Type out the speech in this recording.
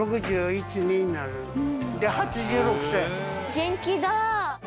元気だぁ！